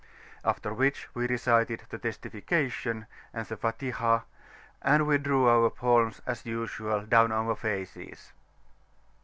After which we recited the Testification and the Fatihah, and we drew our palms as usual down our faces.